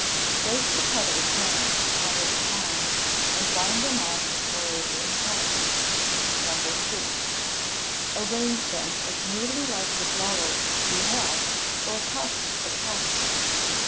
Place the petals round, one at time, and wind them on with Moravian cotton, No. 4. Arrange them as nearly like the flower you have for a copy as possible.